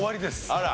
あら。